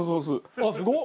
ああすごっ！